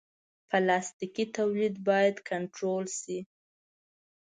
پلاستيکي تولید باید کنټرول شي.